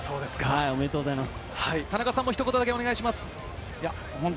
おめでとうございます。